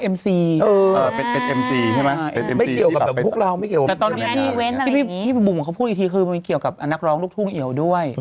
ไม่เกี่ยวกับนักร้องลูกทุ่งเอ๋วด้วย